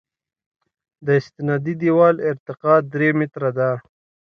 د استنادي دیوال ارتفاع درې متره ده